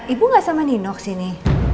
ibu gak sama nino kesini